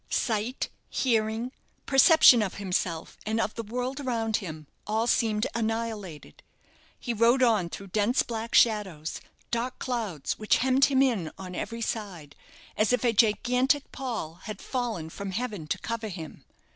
Sight, hearing, perception of himself, and of the world around him, all seemed annihilated. He rode on through dense black shadows, dark clouds which hemmed him in on every side, as if a gigantic pall had fallen from heaven to cover him.